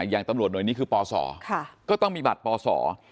อย่างตำรวจหน่วยนี้คือปศก็ต้องมีบัตรปศ